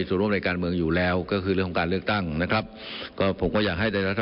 เพราะรุ่นเก่าก็อายุก็มาก